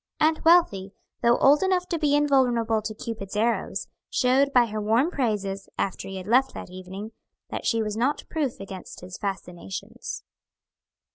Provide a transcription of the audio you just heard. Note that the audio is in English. Aunt Wealthy, though old enough to be invulnerable to Cupid's arrows, showed by her warm praises, after he had left that evening, that she was not proof against his fascinations.